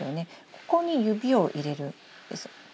ここに指を入れるんです。